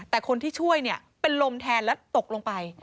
แต่คนที่ช่วยเป็นลมแทนแล้วตกลงไป